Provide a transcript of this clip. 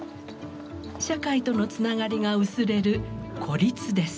社会とのつながりが薄れる孤立です。